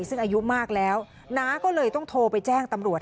ซึ่งอายุมากแล้วน้าก็เลยต้องโทรไปแจ้งตำรวจ